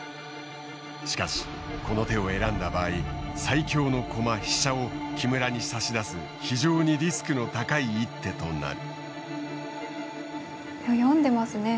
しかしこの手を選んだ場合最強の駒飛車を木村に差し出す非常にリスクの高い一手となる。